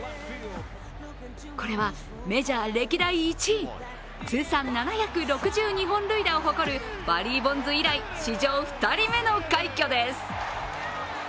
これはメジャー歴代１位、通算７６２本塁打を誇るバリー・ボンズ以来、史上２人目の快挙です。